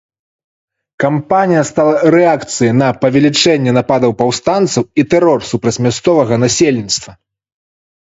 Кампанія стала рэакцыяй на павелічэнне нападаў паўстанцаў і тэрор супраць мясцовага насельніцтва.